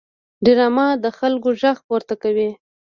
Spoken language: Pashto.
ډرامه د خلکو غږ پورته کوي